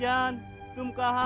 jangan makan aku